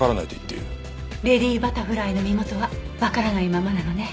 レディバタフライの身元はわからないままなのね。